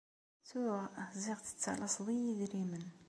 Ttuɣ ziɣ tettalaseḍ-iyi idrimen.